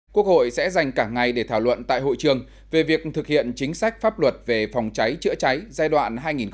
quốc hội sẽ dành cả ngày để thảo luận tại hội trường về việc thực hiện chính sách pháp luật về phòng cháy chữa cháy giai đoạn hai nghìn một mươi chín hai nghìn một mươi chín